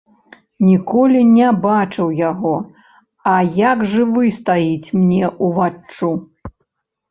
Ніколі не бачыў яго, а як жывы стаіць мне ўваччу.